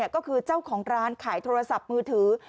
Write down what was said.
ก็คือเจ้าของร้านขายโทรศัพท์มือถือ